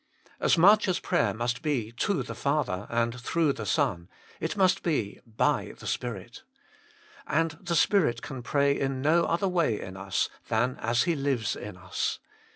As much as prayer must be to the Father, and through the Son, it must be ly the Spirit. And the Spirit can pray in no other way in us, than as He lives in us.